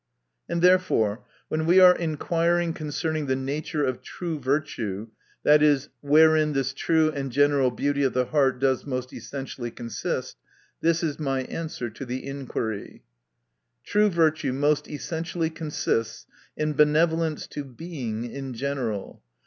And therefore when we are inquiring concerning the nature of true virtue, viz., wherein this true and gen eral beauty of the heart does most essentially consist — this is my answer to the inquiry : True virtue most essentially consists in benevolence to Being in general.